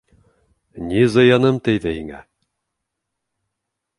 Ни зыяным тейҙе һиңә?!